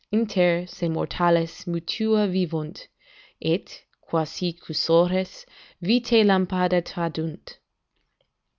"Inter se mortales mutua vivunt ................................ Et, quasi cursores, vitai lampada tradunt."